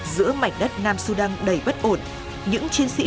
giữa mảnh đất nam sudan đầy bất ổn những chiến sĩ